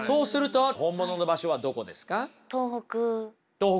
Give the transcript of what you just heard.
東北。